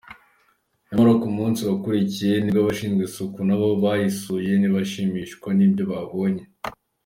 Nyamara ku munsi wakurikiye, nibwo abashinzwe isuku nabo bayisuye, ntibashimishwa n’ibyo babonye.